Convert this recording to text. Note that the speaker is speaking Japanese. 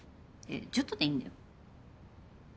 ちょっとでいいんだよ？